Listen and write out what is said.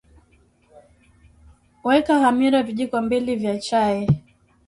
Weka hamira vijiko mbili vya chai